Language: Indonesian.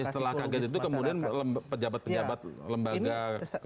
setelah kaget itu kemudian pejabat pejabat lembaga kementerian yang lain juga saling melempar